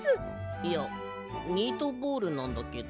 いやミートボールなんだけど。